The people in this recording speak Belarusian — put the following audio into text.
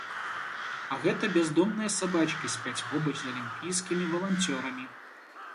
А гэта бяздомныя сабачкі спяць побач з алімпійскімі валанцёрамі.